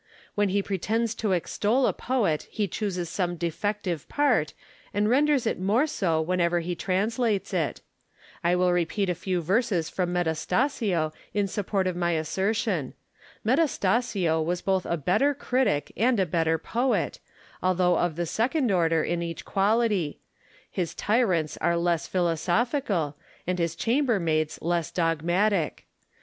When he pretends to extol a poet he chooses some defective part, and renders it more so whenever he translates it. I will repeat a few verses from Metastasio in support of my assertion. Metastasio was both a better critic and a better poet, although of the second order in each quality ; his tyrants are less philosophical, and his chambermaids less dogmatic.